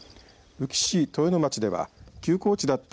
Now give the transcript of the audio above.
宇城市豊野町では休耕地だった